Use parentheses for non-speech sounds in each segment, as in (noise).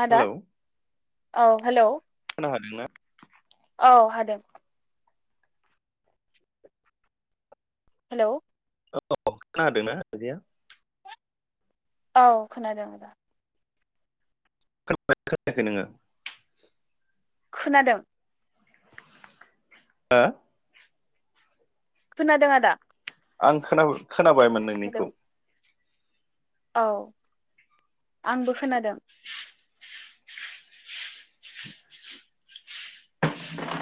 आदा हेलौ। औ हेलौ। अखा हादोंना? औ हादों। हेलौ। औ खोनादोंना (unintelligible) औ खोनादों दा। खोनाबाय खोनायाखै नोङो? खोनादों। हो? खोनादों आदा। आं खोनाब खोनाबायमोन हेलौ नोंनिखौ। औ। आंबो खोनादों। (inaudible)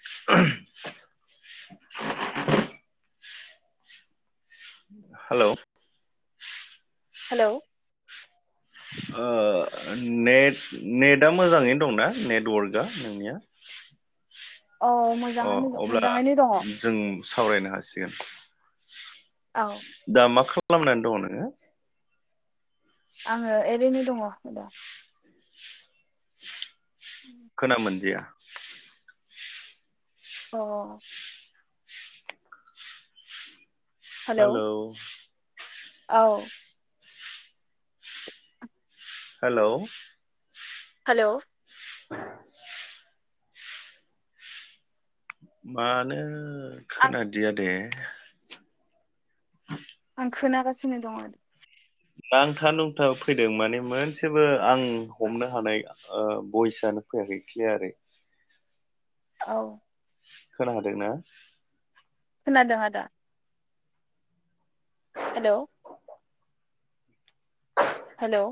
(inaudible) हेलौ। हेलौ। ओ नेट नेटआ मोजाङैनो दंना नेटवर्कआ नोंनिया? औ अ' मोजाङानो अब्ला मोजाङैनो दङ जों सावरायनो हासिगोन। औ दा मा खा खालामनानै दङ नोङो? आङो ओरैनो दङ आदा। खोना मोनदिया। अ'। हेलौ। औ। हेलौ। हेलौ। (inaudible) मानो आं खोनादिया दे। (inaudible) आं खोनागासिनो दङ। नांथा नुंथा फैदों माने मोनसेबो आं हमनो हानाय ओ बइसानो फैयाखै क्लियारै। औ। खोनादोंना। खोनादों आदा। हेलौ। हेलौ।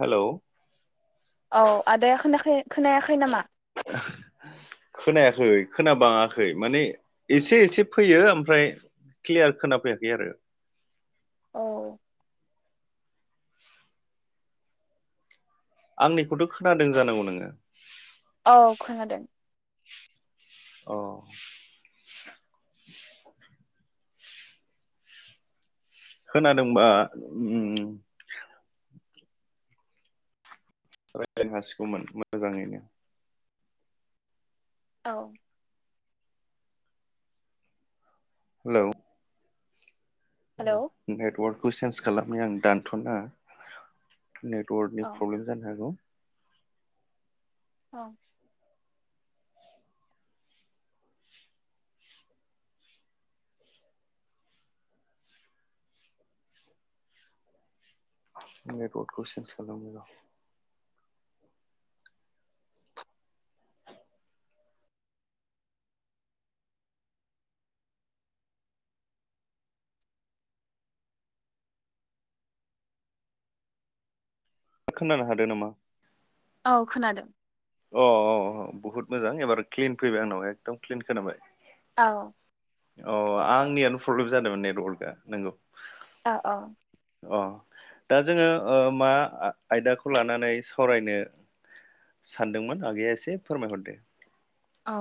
हेलौ। औ आदाया खोनाखै खोनायाखै नामा? खोनायाखै खोनाबाङाखै माने एसे एसे फैयो ओमफ्राय क्लियार खोनाफैयाखै आरो। औ आंनिखौथ खोनादों जानांगौ नोङो औ खोनादों अ खोनादोंबा ओम रायज्लायनो हासिगौमोन मोजाङैनो औ हेलौ हेलौ रह नेटवर्क कुइ सेन्स खालामनि आं दानथनाङा नेटवर्कनि औ फ्रब्लेम जानो हागौ औ नेटवर्कखौ सेन्ज खालामनिर खोनानो हादो नामा? औ खोनादों अ अ बहुत मोजां एबार क्लिन फैबाय आंनाव एकदम क्लिन खोनाबाय। औ अ आंनियावनो प्रब्लेम जादोंमोन नेटवर्कआ नोंगौ औऔ अ दा जोङो मा ओ आयदाखौ लानानै सावरायनो सानदोंमोन आगैया एसे फोरमायहरदो औ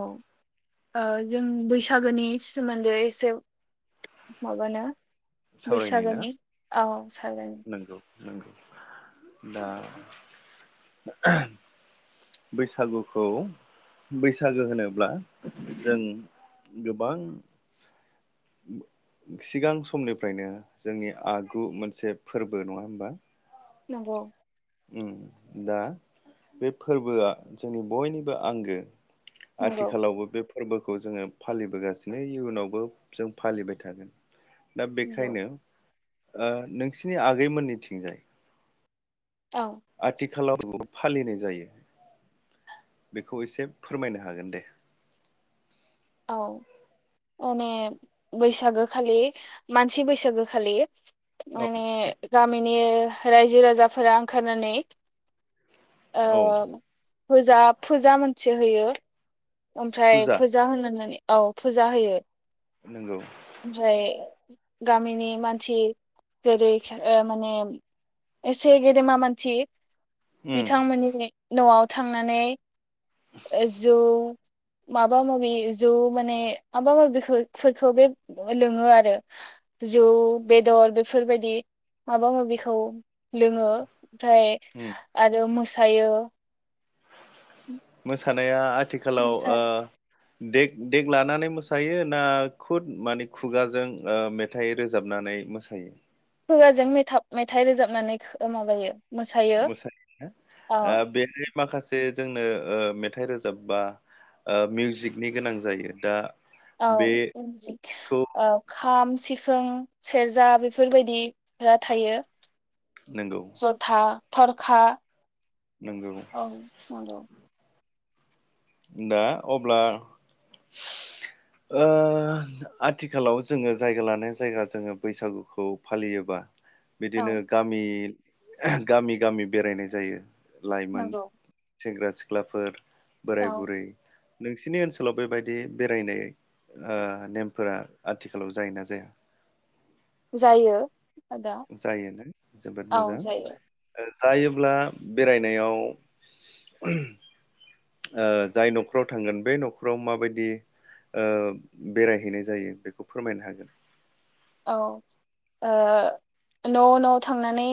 ओ जों बैसागोनि सोमोन्दै एसे माबानो सावरायनो बैसागोनि औ सागोन नौ दा बैसागुखौ बैसागो होनोब्ला जों गोबां सिगां समनिफ्रायनो जोंनि आगु मोनसे फोरबो नङा होमबा नोंगौ उम दा बे फोरबोआ जोंनि बयनिबो आंगो नंगौ आथिखालावबो बे फोरबो खौ जोङो फालिबोगासिनो इयुनावबो जों फालिबाय थागोन दा नंगौ बेखायनो ओ नोंसिनि आगैमोननिथिंजाय औ आथिखालाव फालिनाय जायो बेखौ एसे फोरमायनो हागोन दे औ माने बैसागो खालि मानसि बैसागो खालि औ माने गामिनि ओ - रायजो राजाफोरा ओंखारनानै औ औ फोजा फुजा मोनसे होयो ओमफ्राय फुजा होनो होननानै औ फुजा होयो नंगौ ओफ्राय गामिनि मानसि जेरै माने एसे गेदेमा मानसि उम बिथांमोननि न'आव थांनानै ओ जौ माबा माबि जौ माने माबा माबिफोरखौ बे लोङो आरो जौ बेदर बेफोरबायदि माबा माबिखौ लोङो ओमफ्राय उम आरो थायो मोसानाया आथिखालाव मोसा ओ दे देक लानानै मोसायो ना खुद माने खुगाजों मेथाइ रोजाबनानै मोसायो खुवाजों मेथा-मेथाइ रोजाबनानै माबायो मोसायो मोसानाया औ बेहाय माखासे जोंनो ओ मेथाइ रोजाबबा ओ मिउजिकनि गोनां जायो दा औ बेखौ औ। खाम सिफुं सेरजा बेफोरबायदिफोरा थायो। नंगौ जथा थर खा नंगौ औ नंगौ दा अब्ला ओ आथिखालाव जोङो जायगा लानाय जायगा जोङो बैसागुखौ फालियोबा औ बिदिनो गामि गामि गामि बेरायनाय जायो। लाइमोन नंगौ सेंग्रा सिख्लाफोर बोराय औ बुरै नोंसिनि ओनसोलाव बेबायदि बेरायनाय ओनेमफोरा आथिखालाव जायोना जाया जायो। आदा जायोना जोबोद मोजां औ जायो जायोब्ला बेरायनायाव ओ जाय न'खराव थांगोन बे न'खराव माबायदि ओ बेरायहैनाय जायो बेखौ फोरमायनो हागोन। औ ओ न' न' थांनानै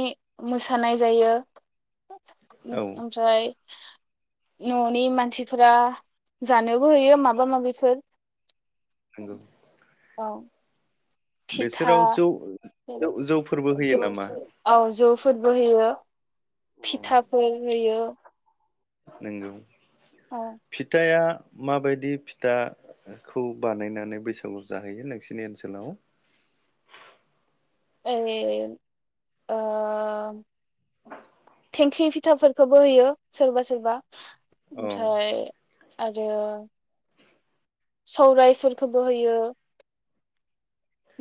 मोसानाय जायो। औ ओमफ्राय न'नि मानसिफोरा जानोबो होयो माबा माबिफोर नंगौ औ। फिथा बिसोराव जौ जौ जौफोरबो होयो जौ नामा औ जौफोर बो होयो फिथाफोर होयो। नोंगौ। औ फिथाया माबायदि फिथाखौ बानायनानै बैसागु जाहैयो नोंसिनि ओनसोलाव? ए ओ थेंख्लि फिथाफोरखौबो होयो सोरबा सोरबा। औ आमफ्राय आरो सौरायफोरखौबो होयो।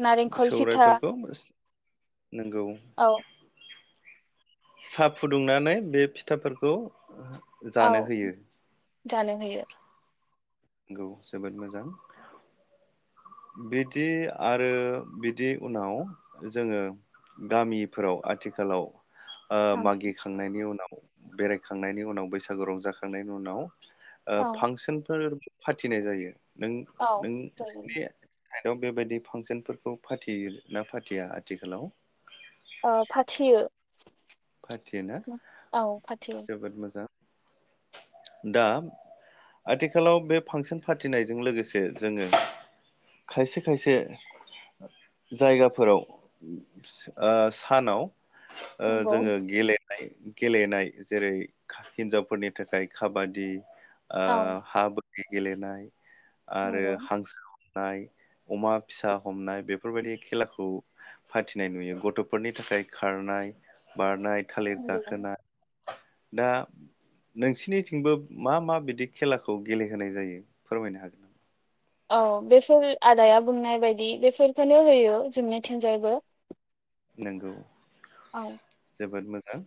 नारेंखल फिथा नोंगौ। औ साहा फुदुंनानै बे फिथाफोरखौ औ जानो होयो जानो होयो नंगौ जोबोद मोजां। बिदि आरो बिदि उनाव जोङो गामिफोराव आथिखालाव ओ ओं, मागिखांनायनि उनाव बेरायखांनायनि उनाव बैसागु रंजाखांनायनि उनाव ओ औ फांसनफोर फाथिनाय जायो। नों औ नों जायो (unintelligible) साइडआव बेबायदि फांसनफोरखौ फाथियो ना फाथिया आथिखालाव? आ फाथियो। फाथियो ना औ फाथियो जोबोद मोजां। दा आथिखालाव बे फांसन फाथिनायजों लोगोसे जोङो खायसे खायसे जायगाफोराव ओ सानाव ओ नंगौ जोङो गेले नाय गेलेनाय जेरै हिनजावफोरनि थाखाय खाबादि, आ औ हाब गेलेनाय आरो नंगौ हांसो नाय अमा फिसा हमनाय बेफोरबायदि खेलाखौ फाथिनाय नुयो गथफोरनि थाखाय खारनाय, बारनाय, थालिर नंगौ गाखोना दा नोंसिनि थिंबोब मा मा बिदि खेलाखौ गेलेहोनाय जायो फोरमायनो हागोन नामा? औ बेफोर आदाया बुंनाय बायदि बेफोरखोनो होयो जोंनि थिंजायबो। नोंगौ। जोबोद मोज ओ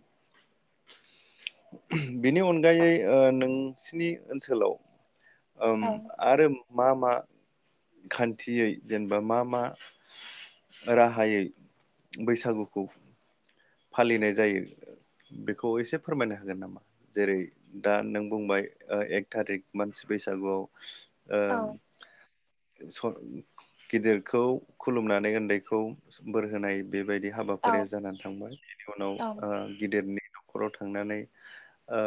(inaudible) बिनि अनगायै ओ नोंसिनि ओनसोलाव ओम औ आरोम मा मा खान्थियै जेनेबा मा मा राहायै बैसागुखौ फालिनाय जायो बेखौ एसे फोरमायनो हागोन नामा जेरै दा नों बुंबाय ओ एक थारिक मानसि बैसागुआव ओ औ स' गिदिरखौ खुलुमनानै उन्दैखौ बोर होनाय। बेबायदि औ हाबाफारिया जानानै थांबाय। बेनि उनाव औ ओ गिद देरनि न'खराव थांनानै ओ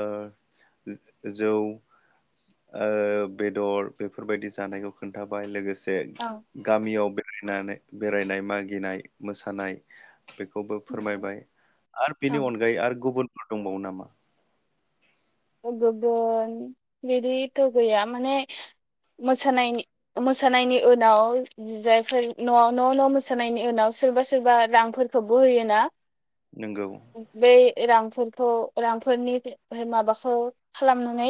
जौ ओ बेदर बेफोरबायदि जानायखौ खोन्थाबाय लोगोस से औ गामियाव बे नानै बेरायनाय मागिनाय मोसानाय बेखौबो फोरमायबाय आरो औ बेनि अनगायै आर गुबुनफोर दंबावो नामा? ओ गोगोन बिदिथ' गैया माने मोसानायनि मोसानायनि उनाव जायफोर न'आव न' न' मोसानायनि उनाव सोरबा सोरबा रांफोरखौबो होयोना नोंगौ ओइ बेै रां फोरखौ रां फोरनि बे बे माबास औ खालामनानै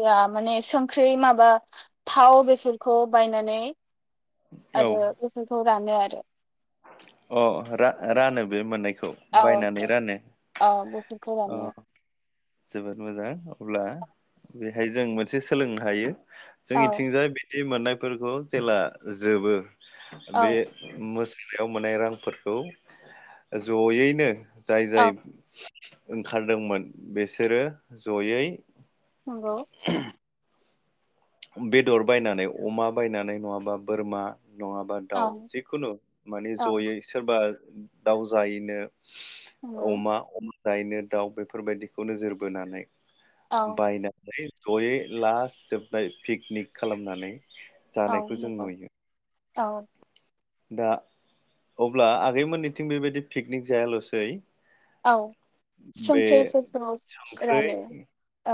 ओआ माने संख्रि माबा थाव बेफोरखौ बायनानै औ आरो बेफोरखौ दानो आरो अ रा-रानो बे मोननायखौ औ बायनानै (unintelligible) रानो औ बेफोरखौ अ रानो। जोबोद मोजां अब्ला बेहाय जों मोनसे सोलोंनो हायो। औ जोंनिथिंजाय बे बे मोननाय फोरखौ जेला जोबो औ बे मोस बेयाव मोन्नाय रांफोरखौ ज'यैनो जाय जाय औ ओंखारदोंमोन बेसोरो ज'यै नंगौ। बेदर बायनानै अमा बायनानै नङाबा बोरमा नङाबा औ दाउ जिखुनु माने औ जयै सोरबा दाउ जायैनो नंगौ अमा अमा जायैनो दाउ बेफोरबायदिखौ नोजोर बोनानै औ बायनानै (unintelligible) पिकनिक खालामनानै औ जानायखौ जों नंगौ नुयो। औ दा अब्ला आगै मोननैथिं बेबायदि पिकनिक जायाल'सै औ बे संख्रिफोरखौ संख्रै रानो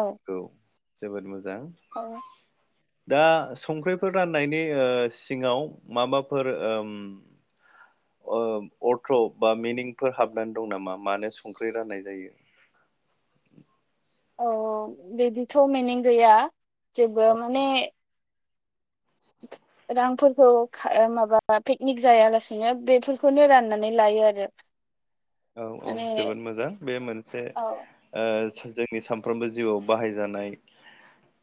औ जोबोद मो जां औ दा संख्रिफोर रान्नायनि ओ सिङाव माबाफोर ओ उम ओ अर्थ बा मिनिंफोर हाबनानै दं नामा मानो संख्रि रान्नाय जायो? औ ओ बिदिथ' मिनिं गैया। जेबो माने रांफोरखौ खा माबा पिकनिक जायालासिनो बेफोरखौनो रान्नानै लायोआरो। औ औ जोबोद मोजां बे मोनसे औ ओ जोंनि सानफ्रोमबो जिउआव बाहायजानाय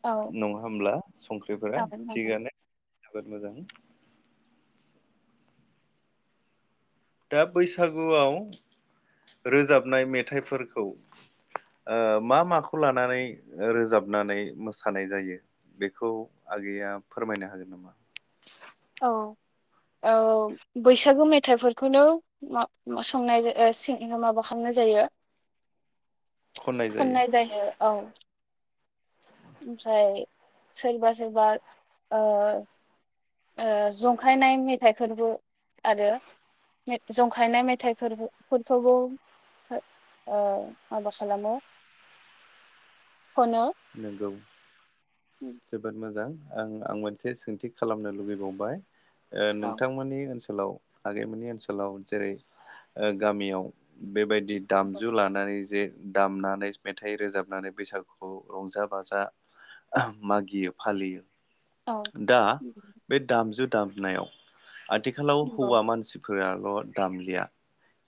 औ नङा होमब्ला संख्रिफोरा औ थिगानो। जोबोद मोजां दा बैसागुआव रोजाबनाय मेथाइफोरखौ ओ मा माखौ लानानै रोजाबनानै मोसानाय जायो बेखौ आगैया फोरमायनो हागोन नामा? औ औ बैसागु मेथाइफोरखौनो संनाय सिं माबा खालामनाय जायो। खननाय जायो औ ओमफ्राय सोरबा सोरबा ओ ओ जंखायनाय मेथाइ फोरबो आरो जंखायनाय मेथाइ फोरबोफोरखौबो ओ माबा खालामो। खनो नोंगौ जोबोद मोजां। आं आं मोनसे सोंथि खालामनो लुबैबावबाय। ओ औ नोंथांमोननि ओनसोल गोलाव आगैमोननि ओनसोलाव जेरै ओ गामियाव बेबाय दि दामजु लानानै जे दामनानै मेथाइ रोजाबनानै बैसागुखौ रंजा बाजा मागियो फालियो। औ दा बे दामजु दामनायाव आथिखालाव नंगौ हौवा मानसिफो फोराल' दामलिया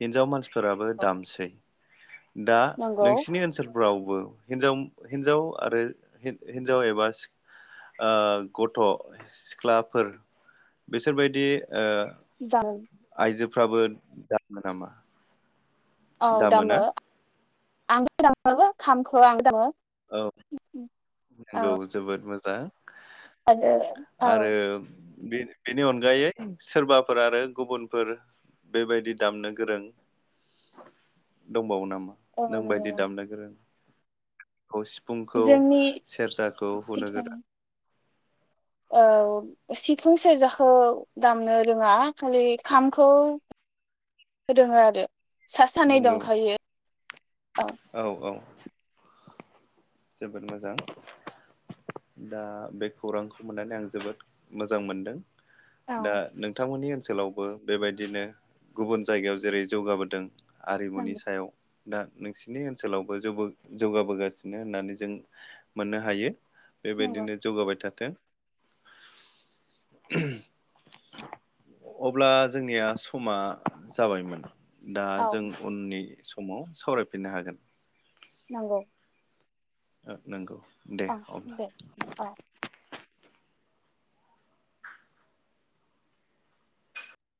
हिनजाव मानसि फोराबो औ दामसै दा नंगौ नोंसिनि ओनसोल फोरावबो हिन्जाव हिन्जाव आरो हिन्जाव एबा सि ओ गथ' सिख्लाफोर बिसोरबायदि ओ दामो। आइजोफ्राबो दामो नामा? औ दामो। आंबो दामो खामखो आंनो दामो। औ नोंगौ औ जोबोद मोजां। (unintelligible) आरो आरो औ। बे बेनि अनगायै सोरबाफोर आरो गुबुनफोर बेबायदि दामनो गोरों दंबावो नामा? नों बायदि औ दामनो गोरों। खौ सिफुंखौ जोंनि सेरजाखौ हुनो गोरों। औ सिफुं सेरजाखौ दामनो रोंङा खालि खामखौ रोङो आरो। सासे सानै नंगौ दंखायो। औ औ। जोबोद मोजां दा बे खौरांखौ मोननानै आं जोबोद मोजां मोनदों। दा औ नोंथांमोननि ओनसोल सोलावबो बेबायदिनो गुबुन जायगायाव जेरै जौगाबोदों। आरिमुनि नंगौ सायाव दा नोंसिनि ओनसोलावबो जौबो जौगाबोगासिनो नो होननानै जों मोननो हायो। नंगौ बेबायदिनो जौगाबाय थाथों। (unintelligible) अब्ला जोंनिया समा जाबायमोन। दा औ जों उननि स समाव सावरायफिननो हागोन। नंगौ। ओ नोंगौ। अ दे अ ‌।